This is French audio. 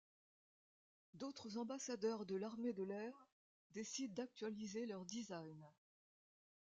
D’autres ambassadeurs de l’Armée de l’Air décident d’actualiser leur design.